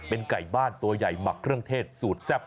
เป็นไก่บ้านตัวใหญ่หมักเครื่องเทศสูตรแซ่บ